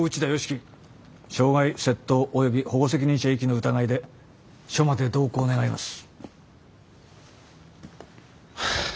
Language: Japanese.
基傷害窃盗および保護責任者遺棄の疑いで署まで同行願います。